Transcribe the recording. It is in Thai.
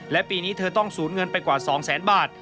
และปีนี้เธอต้องสูญเงินไปกว่า๒แสนบาท